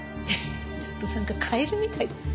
ちょっとなんかカエルみたい。